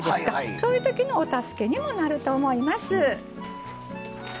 そういうときのお助けにもなると思います。